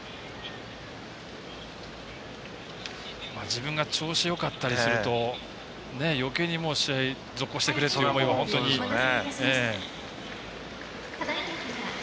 自分が調子よかったりするとよけいに試合続行してくれと思いますよね。